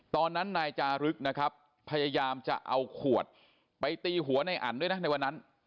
ตอนนั้นนายจารึกนะครับพยายามจะเอาขวดไปตีหัวในอันด้วยนะในวันนั้น